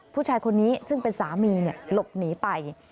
ผู้ชายคนนี้ซึ่งเป็นสามีหลบหนีไป